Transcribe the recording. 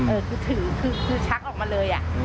เออคือถือคือชักออกมาเลยอะ